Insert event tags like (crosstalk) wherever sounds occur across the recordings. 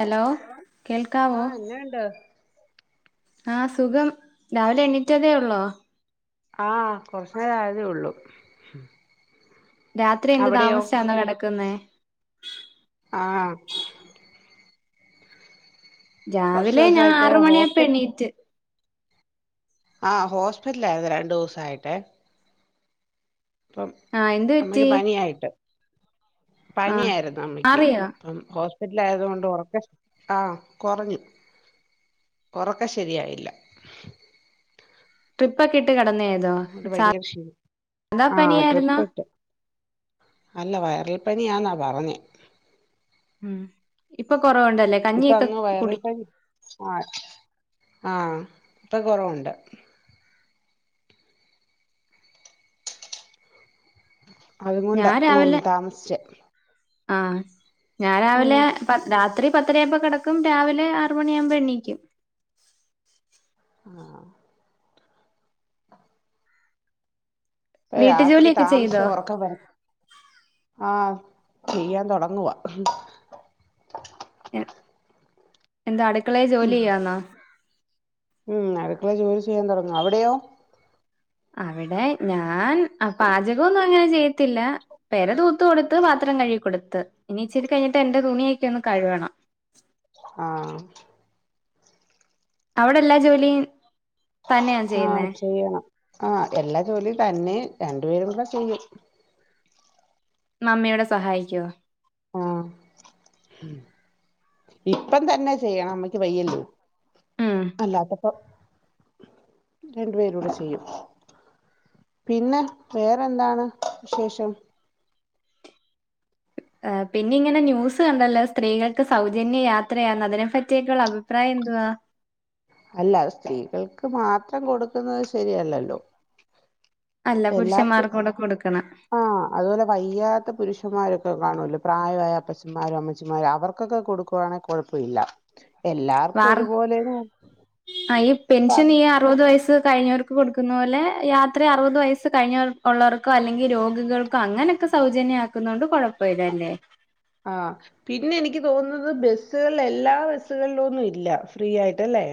Hello കേൾക്കാവോ. ആഹ് എന്നാണ്ട് ആഹ് സുഖം. രാവിലെ എണീറ്റതേ ഒള്ളോ? ആഹ് കൊർച്ച് നേരം ആയതേ ഒള്ളൂ. രാത്രി എന്ത് താമസ്ച്ചാന്നോ കെടക്കുന്നേ? ആഹ്. കൊറച്ച് രാവിലെ ഞാ ദിവസായിട്ട് ആറ് മണിയാപ്പ ഹോസ്പി എണീറ്റ്. ആഹ് ഹോസ്പിറ്റലായിരുന്നു രണ്ടൂസായിട്ടെ പ്പം ആഹ് എന്ത് പറ്റി അമ്മക്ക് പനിയായിട്ട് ആഹ് പനിയാര്ന്നു അമ്മക്ക് മാറിയോ പ്പം ഹോ സ്പിറ്റലായത് കൊണ്ട് ഒറക്കം ശ് ആ കൊറഞ്ഞു. ഒറക്കം ശരിയായില്ല. ട്രിപ്പൊക്കെ ഇട്ട് കെട്ന്നേന്നോ അതുകൊണ്ട് ചാ ഭയങ്കര ക്ഷീണം ധാ ആഹ് പനിയായിരുന്നോ? ട്രിപ്പിട്ട് അല്ല. വൈറൽ പനിയാന്നാ പറഞ്ഞേ. ഉം. ഇപ്പം കൊറവുണ്ടല്ലേ ഇപ്പൊ കഞ്ഞിയൊക്കെ അങ്ങ് വയറൽ കുടി പനി ആഹ് ആഹ് ഇപ്പ കൊറവുണ്ട്. അതുകൊണ്ടാ ഉം താമസിച്ചേ ആ ഞാൻ ഉം രാവിലെ പ രാ ത്രി പത്തരായപ്പം കെടക്കും. രാവിലെ ആറുമണിയാവുമ്പം എണീക്കും. ആഹ് ഏഹ് വീട്ടു രാത്രി ജോലിയൊക്കെ ചെയ്തോ താമസ്ച്ചാ ഒറക്കം വര ആഹ് ചെയ്യാൻ തൊടങ്ങുവാ എ എന്താ അടുക്കളേ ഉം ജോലിയ്യാന്നോ? ഉം അടുക്കളെ ജോലി ചെയ്യാൻ തുടങ്ങും അവിടെയോ അവിടെ ഞാൻ പാചകം ഒന്നും അങ്ങനെ ചെയ്യത്തില്ല പെരതൂത്ത് കൊടുത്ത് പത്രം ത്രം കഴികൊടുത്ത് ഇനി ഇച്ചിരി കഴിഞ്ഞിട്ട് എന്റെ തുണിയൊക്കെ ഒന്ന് കയുകണം. ആഹ് അവിടെ എല്ലാ ജോലിയും തന്നെയാ ചെയ്യുന്നേ ആഹ് ചെയ്യണം ആഹ് എല്ലാ ജോലിയും തന്നെ രണ്ടുപേരും കൂടെ ചെയ്യും നമ്മയോടെ സഹായിക്കോ ആഹ് ഇപ്പം തന്നെ ചെയ്യണം അമ്മയ്ക്ക് വയ്യല്ലോ ഉം അല്ലാതപ്പൊ രണ്ടു പേരൂടെ ചെയ്യും പിന്നെ വേറെന്താണ് വിശേഷം പിന്നെ ഇങ്ങനെ ന്യൂസ് കണ്ടല്ലോ സ്ത്രീകൾക്ക് സൗജന്യ യാത്രയാന്ന് അതിനെ പറ്റിയൊക്കെള്ള അഭിപ്രായം ന്തുവാ അല്ല അഹ് സ്ത്രീകൾക്ക് മാത്രം കൊടുക്കുന്നത് ശരിയല്ലല്ലോ അല്ല എല്ലാർക്കും പുരുഷന്മാർക്കൂടെ കൊടുക്കണം ആഹ് അതുപോലെ കയ്യാത്ത പുരുഷന്മാരൊ ക്കെ കാണൂലോ പ്രായവായ അപ്പച്ചന്മാരോ അമ്മച്ചിമാരോ അവർക്കൊക്കെ കൊടുക്കുവാണെ കുഴപ്പല്ല വാർ ആഹ് ഈ പെൻഷൻ ഈ അറുപത് വയസ്സ് കഴിഞ്ഞവർക്ക് കൊടുക്കുന്ന പോലെ യാത്ര അറുപത് വയസ്സ് കഴിഞ്ഞവർ ഉള്ളവർക്കോ അല്ലെങ്കിൽ രോഗികൾക്കോ അങ്ങനെക്കെ സൗജന്യയാക്കുന്നോണ്ട് ആഹ് പിന്നെ എനി ക്ക് തോന്നുന്നത് ബസ്സുകളിൽ എല്ലാ ബസ്സുകളിലൊന്നും ഇല്ല ഫ്രീ ആയിട്ടല്ലേ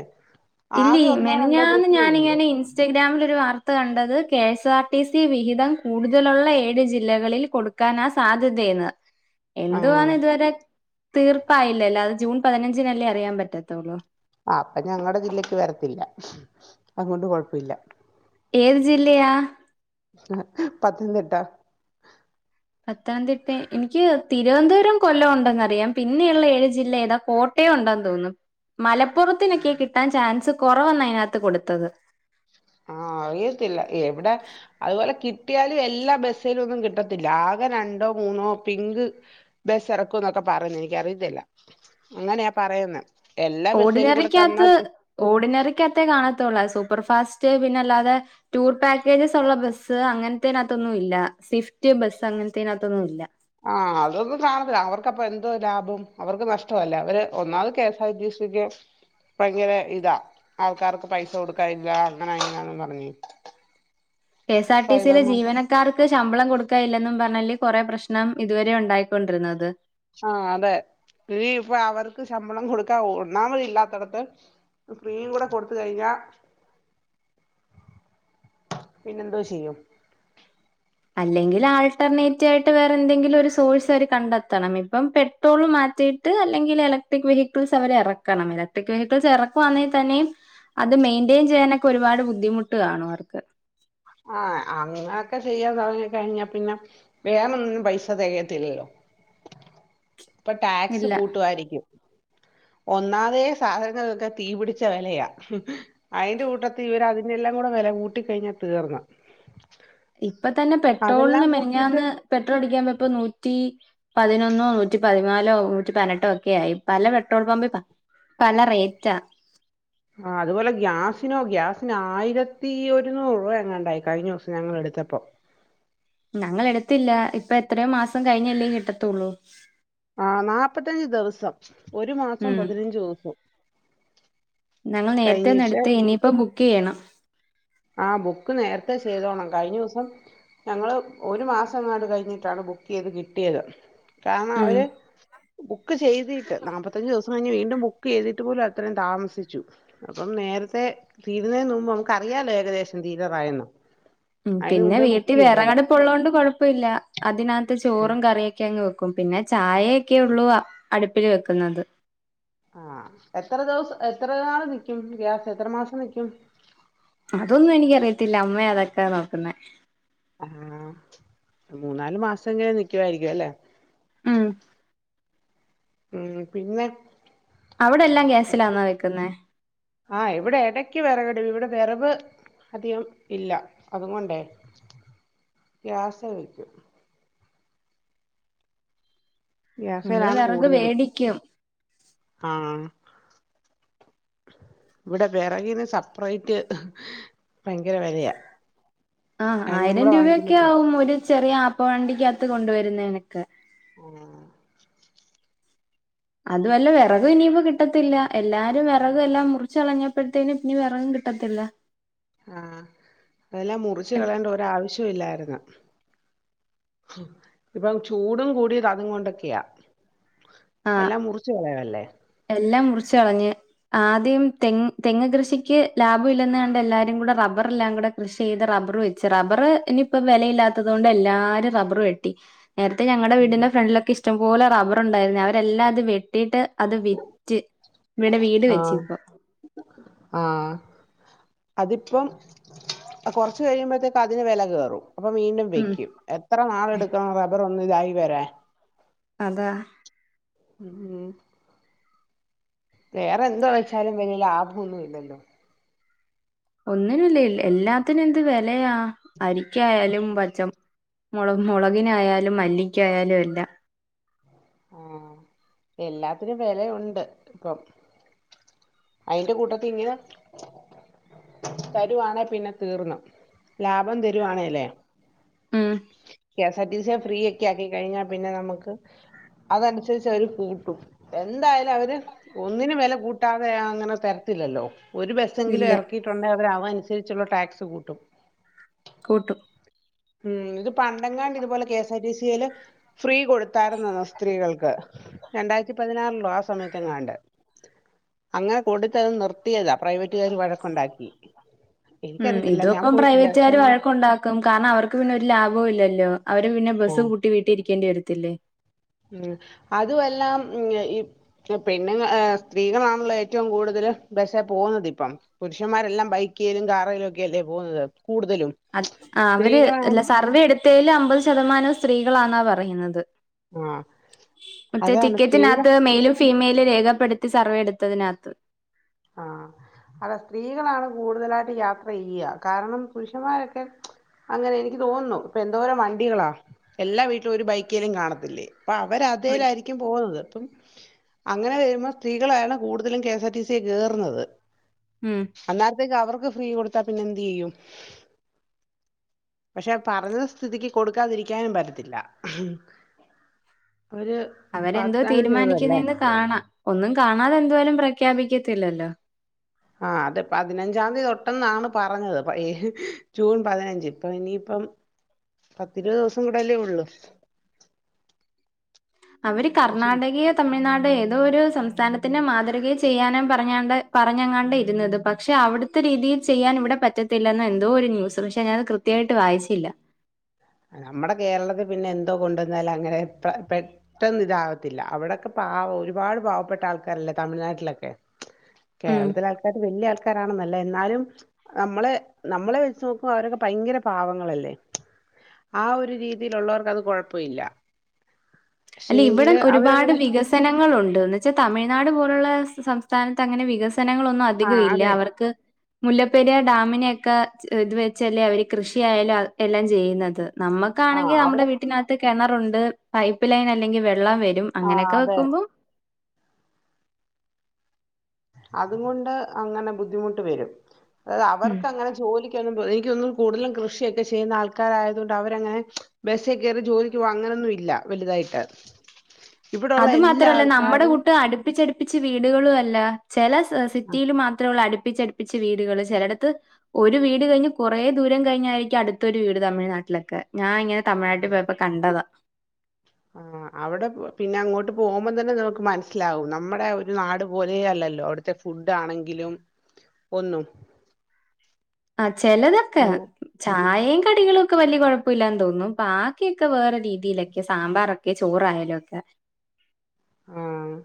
ഇല്ലീ ആകെ ഒന്നോ രണ്ടോ മെനഞ്ഞാന്ന് ബസ്സിലേ ഉള്ളൂ ഞാനിങ്ങനെ ഇൻസ്റ്റഗ്രാമിൽ ഒരു വാർ ത്ത കണ്ടത് K S R T C വിഹിതം കൂടുതലുള്ള ഏഴ് ജില്ലകളിൽ കൊടുക്കാനാ സാധ്യത എന്ന് ആഹ് എന്തുവാന്ന് ഇതുവരെ തീർപ്പായില്ലല്ല അത് ജൂൺ പതിനഞ്ചിനല്ലേ അറിയാൻ പറ്റത്തുള്ളൂ ആപ്പം ഞങ്ങടെ ജില്ലക്ക് വരത്തില്ല അതുകൊണ്ട് കൊഴപ്പില്ല ഏത് ജില്ലയാ പത്തനംതിട്ടാ പത്തനംതിട്ട എനിക്ക് തിരുവനന്തപുരം കൊല്ലം ഉണ്ടെന്ന്റിയാം പിന്നെയ്ള്ള ഏഴ് ജില്ല ഏതാ കോട്ടയം ഉണ്ട തോന്നുന്നു മലപ്പുറത്തിനൊക്കെ കിട്ടാൻ ചാൻസ് കുറവന്ന അതിനകത്ത് കൊടുത്തത്. ആ അറിയത്തില്ല എവിടെ അതുപോലെ കിട്ടിയാലും എല്ലാ ബസില് ഒന്നും കിട്ടത്തില്ല ആകെ രണ്ടോ മൂന്നോ പിങ്ക് ബ ചെറക്കുന്നൊക്കെ പറയും എനിക്കറിയത്തില്ല അങ്ങനെയാ പറയുന്നെ എല്ലാ ബസ്സിലും കൂടെ തന്നാ ഓർഡിനറിക്കകത്ത് കി ഓർഡിനറിക്കകത്തേ കാണത്തുള്ളൂ സ സൂപ്പർഫാസ്റ്റ് പിന്നെ അല്ലാതെ ടൂർ പാക്കേജസ് ഉള്ള ബസ്സ് അങ്ങനത്തതിനകത്തൊന്നും ഇല്ല സ്വിഫ്റ്റ് ബസ് അങ്ങനത്തെനകത്തൊന്നുല്ല ആഹ് അതൊന്നും കാണത്തില്ല അവർക്കപ്പോ എന്തോ ലാഭം അവർക്ക് നഷ്ട്ടല്ലേ അവര് ഒന്നാമത് K S R T C (unintelligible) ഭയങ്കര ഇതാ ആൾക്കാർക്ക് പൈസ കൊടുക്കാനില്ലാ അങ്ങനെ ഇങ്ങനെന്ന് പറഞ്ഞ് കെ എസ് ആർ ടി സിയിലെ ഡ്രൈവർമാർ ജീവനക്കാർ ശമ്പളം കൊടുക്കാ ഇല്ലെന്നും പറഞ്ഞാല്ലേ കൊറെേ പ്രശ്നം ഇതുവരെ ഉണ്ടായിക്കൊണ്ടിരുന്നത് ആഹ് അതെ ഈ ഇപ്പൊ അവർക്ക് ക്ക് ശമ്പളം കൊടുക്കാ ഒന്നാമതില്ലാത്തടത്ത് ഫ്രീ കൂടെ കൊടുത്ത കഴിഞ്ഞാ (inaudible) പിന്നെന്തോ ചെയ്യും അല്ലെങ്കിൽ ആൾട്ടർനേറ്റയിട്ട് വേറെ എന്തെങ്കിലും ഒരു സോഴ്സ് അവര് കണ്ടെത്തണം ഇപ്പം പെട്രോള മാ മാറ്റിട്ട് അല്ലെങ്കിൽ ഇലക്ട്രിക് വെഹിക്കിൾസ് അവരെ ഇറക്കണം ഇലക്ട്രിക് വെഹിക്കിൾസ് ഇറക്കവാന്നെേൽ തന്നെയും അത് മെയിന്റെയിൻ ചെയ്യാനൊക്കെ ഒരുപാട് ബുദ്ധിമുട്ട് കാണും അവർക്ക് ആഹ് അങ്ങനെയൊക്കെ ചെയ്യാ തുടങ്ങി കഴിഞ്ഞാ പിന്നെ വേറൊന്നുനും പൈസ തികയത്തില്ലല്ലോ (inaudible) ഇപ്പൊ ടാക്സ് ഇല്ല കൂട്ടു ആയിരിക്കും (inaudible) ഒന്നാതെ സാധനങ്ങൾകൊക്കെ തീപിടിച്ച വിലയ അയിന്റെ കൂട്ടത്തി ഇവർ അതിന്റെ എല്ലാം കൂടെ വില കൂട്ടി കഴിഞ്ഞ തീർന്ന് ഇപ്പൊ തന്നെ പെട്രോളിന്ന് അതെല്ലാം കൂട്ടിയിട്ട് മിനിന്നാന്ന് പെട്രോൾ അടിക്കാൻ പോയപ്പോ നൂറ്റി പതിനൊന്നോ നൂറ്റി പതിനാലോ നൂറ്റി പതിനെട്ടോ ഒക്കെ ആയി പല പെട്രോൾ പമ്പ് പല റേറ്റ ആ അതുപോലെ ഗ്യാസിനോ ഗ്യാസിന് ആയിരത്തി ഒരുന്നൂറ് രൂപ എങ്ങാണ്ടായി കഴിഞ്ഞ ദിവസം ഞങ്ങ എടുക്ക ച്ചപ്പോ ഞങ്ങൾ എടുത്തില്ല ഇപ്പ എത്രയോ മാസം കഴിഞ്ഞല്ലേ കിട്ടത്തുള്ളൂ ആ നാപ്പത്തഞ്ച് ദിവസം ഒരു മാസം ഉം പതിനഞ്ച് ദിവസും ഞങ്ങൾ കഴിഞ്ഞിട്ട് നേരത്തെന്നടുത്ത് ഇനിയിപ്പ ബുക്ക് ചെയ്യണം ആ ബുക്ക് നേരത്തെ ചെയ്തോണം കഴിഞ്ഞ ദിവസം ഞങ്ങള് ഒരു മാസങ്ങാണ്ട് കഴിഞ്ഞിട്ടാണ് ബുക്ക് ചെയ്ത് കിട്ടിയത് കാരണം ഉം അവര് ബുക്ക് ചെയ്തിട്ട് നാപ്പത്തഞ്ചിസം വീണ്ടും ബുക്കെയ്തിട്ട് പോലും അത്രെം താമസിച്ചു അപ്പം നേരത്തെ തീരുന്നേന് നുമ്പ് നമുക്ക്റിയാല്ലോ ഏകദേശം തീരാറയന്ന് ഉം പിന്നെ വീട്ടിൽ വെറകടുപ്പ് ഉള്ളോണ്ട് കൊഴപ്പൊല്ല അതിനാത്ത് ചോറും കറിയൊക്കെ അങ്ങ് വെ (unintelligible) പിന്നെ ചായയൊക്കെള്ളൂ അടുപ്പില് വെക്കുന്നത് ആഹ് എത്ര ദിവസ് എത്ര നാള് നിക്കും ഗ്യാസ് എത്ര മാസം നിക്കും അതൊന്നും എനിക്കറിയത്തില്ല അമ്മയേതൊക്കെ നോക്കുന്നെ ആഹ് മൂന്നാല് മാസംക്കെ നിക്കുവാരിക്കും അല്ലേ ഉം ഉം പിന്നെ അവിടെല്ലാം ഗ്യാസിലാന്നൊ വെക്കുന്നേ ആഹ് ഇവിടെ എടയ്ക്ക് വെറകടുപി ഇവെടെ വെറക് അധികം ഇല്ല അതുകൊണ്ടേ ഗ്യാസ് നമ്മള് ഗ്യാസേലാണ് വെറക് കൂടുതലും വേടിക്കും ആഹ് ഇവിടെ വെറകിന് സപ്പ്റേറ്റ് ആഹ് രണ്ടും ആയിരം കൂടെ രൂപയൊക്കെ വാങ്ങിക്കുമ്പോഴത്തേ ആവും ഒരു ചെറിയ ആപ്പ വണ്ടിക്കാത്ത് കൊണ്ടുവരുന്നേനക്കെ ഉം അതുമല്ല വെറകു ഇനിയിപ്പോ കിട്ടത്തില്ല എല്ലാരും വെറക് എല്ലാം മുറിച്ചളഞ്ഞപ്പോഴത്തേന് ന്ന വെറ വിട്ടത്തില്ല ആ അതെല്ലാം മുറച്ച് കളയണ്ട ഒരാവശ്യം ഇല്ലായിര്ന്ന്. ഇപ്പൊ ചൂടും കൂടിയത് അതും കൊണ്ടൊക്കെയാ. ആഹ് എല്ലാം മുറിച്ച് കളയവല്ലേ ച്ച് കളഞ്ഞ് ആദ്യം തെ തെങ്ങ് കൃഷിക്ക് ലാഭം ഇല്ലെന്ന് കണ്ട് എല്ലാരും കൂടെ റബ്ബറെല്ലാം കൂ കൃഷി ചെയ്ത് റബ്ബർ വെച്ച് റബ്ബർ ഇനിപ്പോ വെലയില്ലാത്തത് കൊണ്ട് എല്ലാരും റബർ വെട്ടി. നേരത്തെ ഞങ്ങളുടെ വീടിന്റെ ഫ്രണ്ടിലൊക്കെ ഇഷ്ടം പോലെ റബുണ്ടായിര്ന്ന് അവരെല്ല അത് വെ ട്ടിട്ട് അത് വിറ്റ് വ്ടെ വീട് വെച്ച് ആഹ് ഇപ്പം. ആഹ് അതിപ്പം കൊറ്ച് കഴിയുമ്പോഴത്തേക്കും അതിന് വെല കേറും അപ്പൊ വീണ്ടും ഉം വെക്കും എത്ര നാളെടുക്കണം റബ്ബർ ഒന്ന് ഇതായി വരാൻ. അതാ മ് വേറെ എന്ത വെച്ച വെല്ല്യ ലാഭം ഒന്നും ഇല്ലല്ലോ. ഒന്നിനും ല്ല എല്ലാത്തിനും എന്ത് വെ ലയ അരിക്കായാലും പച്ച മൊ മുള മുളകിനായാ ലും മല്ലിക്കായാലും എല്ലാം ആ എല്ലാത്തിനും വെലയുണ്ട് ഇപ്പം. അയിന്റെ കൂട്ടത്ത് ഇങ്ങനാ. തരുവാണേ പിന്നെ തീർന്ന്ലാഭം തരുവാണേലെ. ഉം സതീസെ ഫ്രീ ഒക്കെ ആക്കി കഴിഞ്ഞാ പിന്നെ നമ്മക്ക്. അതനുസരിച്ച് അവര് കൂട്ടും എന്തായാലും അവര് ഒന്നിന് വെല കൂട്ടാതെ അങ്ങനെ തരത്തി ല്ലല്ലോ ഒരു ബസ്സെങ്കിലും ഇല്ല ഇറക്കിയിട്ടുണ്ടെ അവര് അവനുസരിച്ചുള്ള ടാക്സ് കൂട്ടും കൂട്ടും ഉം ഇത് പണ്ടങ്കാണ്ട് ഇതുപോലെ കെ എസ്ആർ ടി സിയില്. ഫ്രീ കൊടുത്താരുന്നന്ന് സ്ത്രീകൾക്ക് രണ്ടായിരത്തി പതിനാറിലോ ആ സമയത്തെ എങ്ങാണ്ട്. അങ്ങനെ കൂടുത്ത അത് നിർത്തിയതാ പ്രൈവറ്റുകാർ വഴക്കുണ്ടാക്കി. ഉം എനിക്കറിയത്തില്ല ഇത ഞാൻ ഇപ്പം പോയിട്ടില്ല പക്ഷെ പ്രൈവറ്റുകാർ അങ്ങനെ വഴക്ക് ണ്ടാക്കും കാ പിന്നെ ഒരു ലാഭവും ഇല്ലല്ലോ അവര് പിന്നെ ബസ് ആഹ് കൂട്ടി വീട്ടി ഇരിക്കേണ്ടി വരത്തില്ലേ ഉം അതുമെല്ലാം ഈ പെണ്ണുങ്ങ സ്ത്രീകളാണല്ലോ ഏറ്റവും കൂടുതൽ. ബസ്സ് പോകുന്നത് ഇപ്പം പുരുഷന്മാരെല്ലാം ബൈക്കിലും കാറിലും ഒക്കെല്ലേ പോകുന്നത്. കൂടുതലും അ ആ അവര് അല്ല സ്ത്രീകളാണ് സർവേ എടുത്തെൽ അമ്പത് ശതമാനം സ്ത്രീകളാന്ന പറയുന്നത്. ആഹ് മറ്റേ അതാണ് സ്ത്രീകൾ ടിക്കറ്റിനകത്ത് മെൽ ഫീമെയില് രേഖപ്പെടുത്തി സർവേ എടുത്തതിനകത്ത്. അല്ല സ്ത്രീകളാണ് കൂടുതലായിട്ട് യാത്ര ചെയ്യ കാരണം പുരുഷന്മാരൊക്കെ. അങ്ങനെ എനിക്ക് തോന്നുന്നു ഇപ്പൊ എന്തോരം വണ്ടികളാ എല്ലാ വീട്ടിലും ഒരു ബൈക്കേലും കാണത്തില്ലേ. അപ്പ അവര ഒരു- അതലായിരിക്കും പോകുന്നത് അപ്പം അങ്ങനെ വരുമ്പോ സ്ത്രീകളാണ് കൂടുതലും K S R T. C കേറ്ന്നത്. ഉം അതക്കെ അവർക്ക് ഫ്രീ കൊടുത്താ പിന്നെ എന്ത് ചെയ്യും പക്ഷെ പറഞ്ഞ സ്ഥിതിക്ക് കൊടുക്കാതിരിക്കാനും പറ്റത്തില്ല. അവര് അവരെന്തോ വാഗ്ദാനം ചെയ്തതല്ലേ തീരുമാനിക്കുന്ന് കാണാം ഒന്നും കാണാതെ എന്തായാലും പ്ര ഖ്യാപിക്കത്തില്ലല്ലോ ആ അതെ പതിനഞ്ചാം തീയതി തൊട്ടെന്നാണ് പറഞ്ഞത് ജൂൺ പതിനഞ്ച് ഇപ്പൊ ഇനി ഇപ്പം പത്തിരുപത് ദിവസം കൂടെല്ലേ ഉള്ളു അവര് പക്ഷെ കർണാടകയോ തമിഴ്നാട് ഏതോ ഒരു സംസ്ഥാന ത്തിന്റെ മാതൃകയി ചെയ്യാനും പറഞാണ്ട് പറഞ്ഞെങ്ങാണ്ട് ഇരുന്നത് പക്ഷെ അവിടുത്തെ രീതിയിൽ ചെയ്യാൻ ഇവിടെ പറ്റ ത്തില്ലെന്ന എന്തോ ഒരു ന്യൂസ് പക്ഷെ ഞാൻ അത് കൃത്യവായിട്ട് വായിച്ചില്ല നമ്മുടെ കേരളത്തി പിന്നെ എന്തോ കൊണ്ടുവന്നാലും അങ്ങനെ പ്ര പെട്ടന്ന് ഇതാവത്തില്ല അവിടെക്കെ പ ആ ഒരുപാട് പാവപ്പെട്ട ആൾക്കാരല്ലേ തമിഴ്നാട്ടിലൊക്കെ ഉം കേരളത്തില് ആൾക്കാര് വല്യ ആൾക്കാ താണന്നല്ല എന്നാലും നമ്മളെ നമ്മളെ വെച്ച് നോക്കുമ്പോൾ അവരൊക്കെ ഭയങ്കര പാവങ്ങളല്ലേ ആ ഒരു രീതിയിലുള്ളവർക്ക് അത് കൊഴപ്പവില്ല അല്ല ഇവിട ഒരുപാട് വികസനങ്ങൾ ഉണ്ട് പക്ഷെ തമിഴ്നാട് പോലുള്ള സംസ്ഥാനത്ത് അങ്ങനെ വികസ് നങ്ങളൊന്നും ആ അധികവില്ല അതെ അവർക്ക് മുല്ലപ്പെരിയാ ഡാമിനെക്ക ച്ച് ഇത് വെച്ചല്ലേ അവര് കൃഷിയ ആയാലും അത് എല്ലാം ചെയ്യുന്നത് ആ നമ്മുക്കാണെങ്കി നമ്മുടെ അവിടെ വീട്ടിനകത്ത് കിണറുണ്ട് പൈപ്പ് ലൈൻ അല്ലെങ്കിൽ വെള് വെള്ളം വരും ആ അങ്ങനെയൊക്കെ അതെ വെക്കുമ്പോ അതു കൊണ്ട് അങ്ങനെ ബുദ്ധിമുട്ട് വരും അതായത് ഉം അവർക്ക് അങ്ങനെ ജോലിക്ക് ഒന്നും പോയ് യ്ക്കൊന്നും കൂടുതലും കൃഷിയൊക്കെ ചെയ്യുന്ന ആൾക്കാരായതു കൊണ്ട് അവരങ്ങനെ ബെസ്സേ കേറി ജോലിക്ക് പോകവാ അങ്ങനൊന്നും ഇല്ല വലുതായിട്ട് ഇവിടെള്ള അത് എല്ലാ മാത്രല്ല നമ്മുടെ ആൾക്കാരും കൂട്ട് അടുപ്പിച്ചടുപ്പിച്ച് വീടുകളും അല്ല ചില സ സിറ്റിയിൽ മാത്രെ ഉള്ളൂ അടു പ്പിച്ചടുപ്പിച്ച് വീടുകള് ചെലടത്ത് ഒരു വീട് കഴിഞ്ഞ് കൊറേ ദൂരം കഴിഞ്ഞായിരിക്കും അടുത്തൊരു വീട് തമിഴ്നാട്ടിലൊക്കെ ഞാൻ ഇങ്ങനെ തമിഴ്നാട്ടി പോയപ്പോ കണ്ടതാ ആ അവിടെ പിന്നെ അങ്ങോട്ട് പോകുമ്പോ തന്നെ നമുക്ക് മനസ്സിലാവും നമ്മുടെ ഒരു നാട് പോലെ അല്ല ല്ലോ അവിടുത്തെ ഫുഡ് ആണെങ്കിലും ഒന്നും ആ ചെലതൊക്കെ ചായെം കടികളും ഒക്കെ വല്യ കുഴപ്പില്ലാന്ന് തോന്നും ബാക്കിക്ക് ക്കെ വേറെ രീതിയിലൊക്കെ സാമ്പാറൊക്കെ ചോറായാലും ഒക്കെ ആഹ്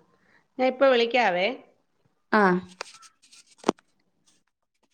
ഞാൻ ഇപ്പ വിളിക്കാവേ ആഹ്